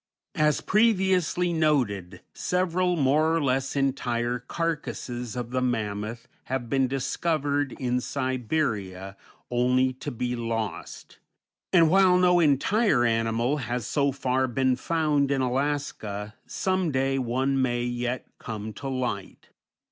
As previously noted, several more or less entire carcasses of the mammoth have been discovered in Siberia, only to be lost; and, while no entire animal has so far been found in Alaska, some day one may yet come to light.